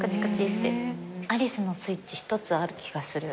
アリスのスイッチ１つある気がする。